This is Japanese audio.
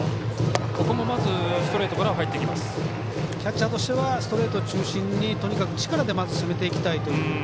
キャッチャーとしてはストレート中心にとにかく力でまず攻めていきたいという。